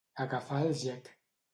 Agafar el gec.